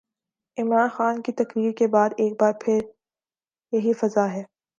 عمران خان کی تقریر کے بعد ایک بار پھر یہی فضا ہے۔